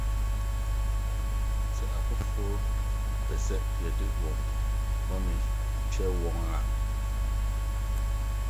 Sɛ afoforo pɛ sɛ yɛde wɔn bɔne kyɛ wɔn a